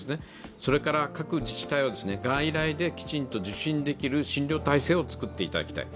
それから、各自治体は外来できちんと受診できる診療体制を作っていただきたい。